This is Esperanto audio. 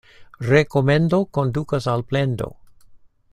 Rekomendo kondukas al plendo.